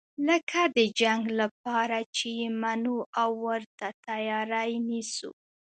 لکه د جنګ لپاره چې یې منو او ورته تیاری نیسو.